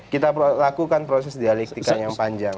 kita lakukan proses dialektika yang panjang